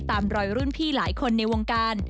ตามรอยรุ่นพี่หลายคนในวงการ